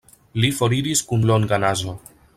Li foriris kun longa nazo.